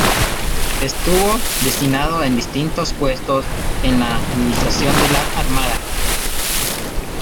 Estuvo destinado en distintos puestos en la administración de la Armada.